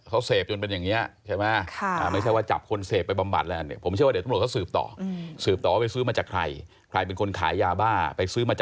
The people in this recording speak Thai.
เขาเสพจนเป็นอย่างนี้ใช่มั้ยไม่ใช่ว่าจับคนเสพไปบำบัด